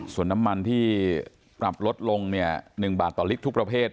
ส่วนน้ำมันที่ปรับลดลง๑บาทต่อลิตรทุกประเภท